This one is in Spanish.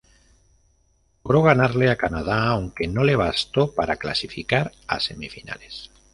Logró ganarle a Canadá aunque no le bastó para clasificar a semifinales.